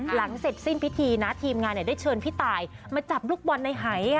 หลังเสร็จสิ้นพิธีนะทีมงานได้เชิญพี่ตายมาจับลูกบอลในหาย